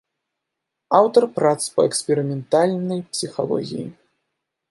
Аўтар прац па эксперыментальнай псіхалогіі.